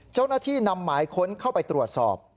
เจ้าหน้าที่นำหมายค้นเข้าไปตรวจสอบ